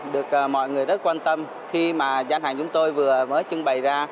được mọi người rất quan tâm khi mà gian hàng chúng tôi vừa mới trưng bày ra